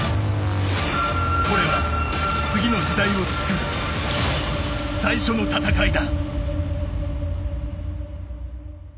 これは次の時代を創る最初の戦いだ。